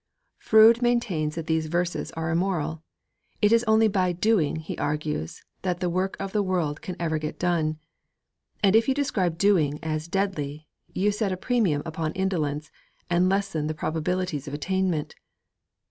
Froude maintains that these verses are immoral. It is only by 'doing,' he argues, that the work of the world can ever get done. And if you describe 'doing' as 'deadly' you set a premium upon indolence and lessen the probabilities of attainment.